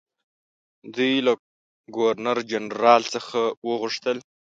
دوی له ګورنرجنرال څخه وغوښتل.